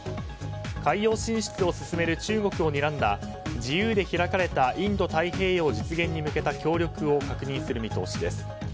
海洋進出を進める中国をにらんだ自由で開かれたインド太平洋実現に向けた協力を確認する見通しです。